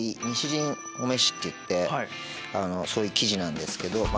西陣御召っていってそういう生地なんですけど。